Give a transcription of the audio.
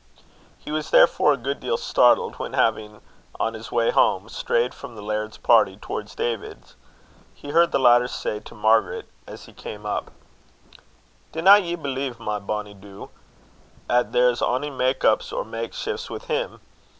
He was therefore a good deal startled when, having, on his way home, strayed from the laird's party towards David's, he heard the latter say to Margaret as he came up: "Dinna ye believe, my bonny doo, 'at there's ony mak' ups or mak' shifts wi' Him.